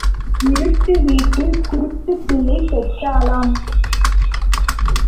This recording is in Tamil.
இருட்டு வீட்டில் குருட்டுப் பிள்ளை பெற்றாளாம்.